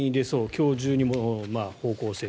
今日中にも方向性。